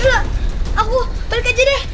yuk aku balik aja deh